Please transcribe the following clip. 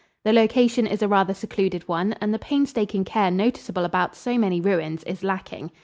The location is a rather secluded one and the painstaking care noticeable about so many ruins is lacking.